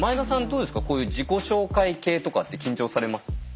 どうですかこういう自己紹介系とかって緊張されます？